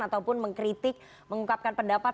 ataupun mengkritik mengungkapkan pendapat